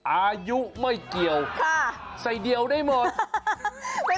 อายุไม่เกี่ยวใส่เดียวได้หมด